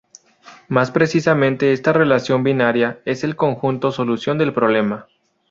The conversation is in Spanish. Más precisamente, esta relación binaria es el conjunto solución del problema.